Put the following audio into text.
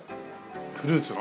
フルーツの？